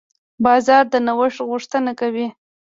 بازار د نوښت غوښتنه کوي.